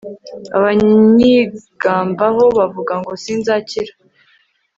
abanyigambaho bavuga ngo sinzakira